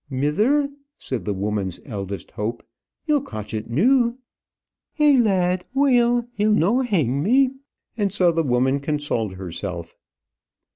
"Mither," said the woman's eldest hope, "you'll cotch it noo." "Eh, lad; weel. He'll no hang me." And so the woman consoled herself.